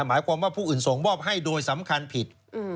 หมายความว่าผู้อื่นส่งมอบให้โดยสำคัญผิด